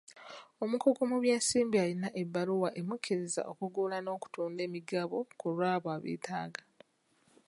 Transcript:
Omukugu mu by'ensimbi alina ebbaluwa emukkiriza okugula n'okutunda emigabo ku lw'abo abeetaaga.